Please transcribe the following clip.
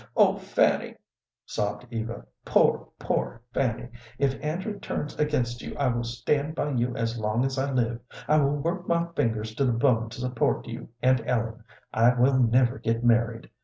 "Oh, Fanny!" sobbed Eva; "poor, poor Fanny! if Andrew turns against you, I will stand by you as long as I live. I will work my fingers to the bone to support you and Ellen. I will never get married.